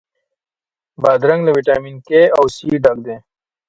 بادرنګ له ویټامین K او C ډک وي.